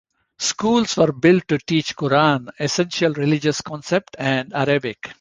Schools were built to teach Quran, essential religious concepts, and Arabic.